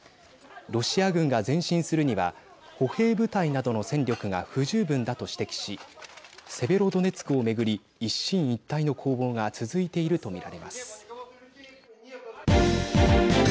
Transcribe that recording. ロシア軍が前進するには歩兵部隊などの戦力が不十分だと指摘しセベロドネツクを巡り一進一退の攻防が続いていると見られます。